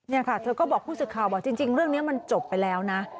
นี่ค่ะเธอก็บอกผู้สื่อข่าวบอกจริงเรื่องนี้มันจบไปแล้วนะ